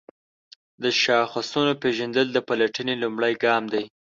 د شاخصونو پیژندل د پلټنې لومړی ګام دی.